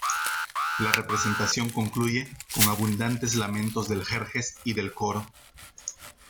La representación concluye con abundantes lamentos del Jerjes y del coro.